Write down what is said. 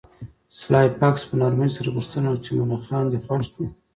سلای فاکس په نرمۍ سره پوښتنه وکړه چې ملخان دې خوښ دي